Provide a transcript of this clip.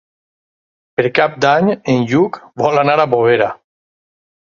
Per Cap d'Any en Lluc vol anar a Bovera.